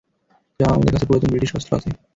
জনাব, আমার কাছে পুরাতন ব্রিটিশ অস্ত্র আছে।